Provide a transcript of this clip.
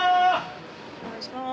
お願いします。